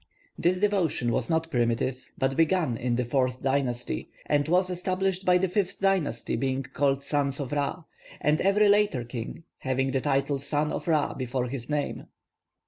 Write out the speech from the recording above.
This devotion was not primitive, but began in the fourth dynasty, and was established by the fifth dynasty being called sons of Ra, and every later king having the title 'son of Ra' before his name.